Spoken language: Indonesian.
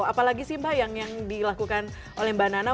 apalagi sih mbak yang dilakukan oleh mbak nana